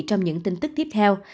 trong những tin tức tiếp theo